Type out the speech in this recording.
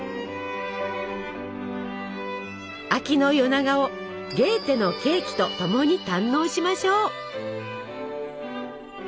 秋の夜長を「ゲーテのケーキ」とともに堪能しましょう！